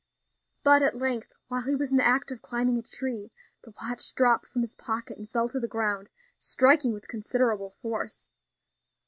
But at length, while he was in the act of climbing a tree, the watch dropped from his pocket and fell to the ground, striking with considerable force.